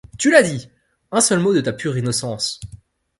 Tu l'as dit ! un seul mot de ta pure innocence